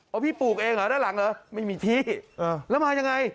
เอาพี่ปลูกเองเหรอด้านหลังเหรอไม่มีที่แล้วมายังไง